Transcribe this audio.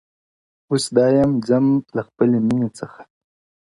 اوس دا يم ځم له خپلي مېني څخه،